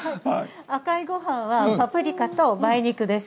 赤いごはんはパプリカと梅肉です。